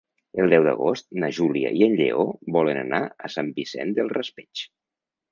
El deu d'agost na Júlia i en Lleó volen anar a Sant Vicent del Raspeig.